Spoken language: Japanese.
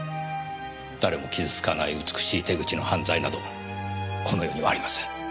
誰も傷つかない美しい手口の犯罪などこの世にはありません。